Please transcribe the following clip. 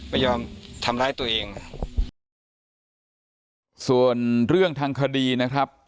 ไม่ยอมทำร้ายตัวเองส่วนเรื่องทางคดีนะครับ